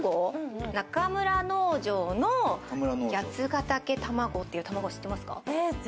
中村農場の八ヶ岳卵という卵知ってますか？